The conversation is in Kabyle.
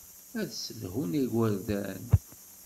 Ad ssedhun igerdan.